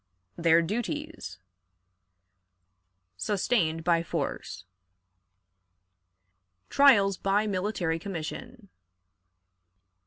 Their Duties. Sustained by Force. Trials by Military Commission.